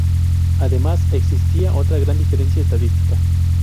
Además, existía otra gran diferencia estadística.